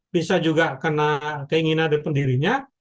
bisa juga kena keinginan dari pendirinya